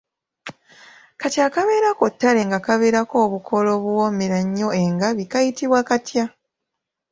Kati akabeera ku ttale nga kabeerako obukoola obuwoomera ennyo engabi, kayitibwa katya?